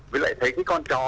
với lại thấy cái con chó